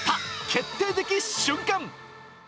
決定的瞬間。